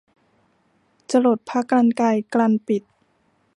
จรดพระกรรไกรกรรบิด